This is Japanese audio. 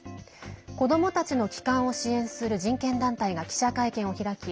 子どもたちの帰還を支援する人権団体が記者会見を開き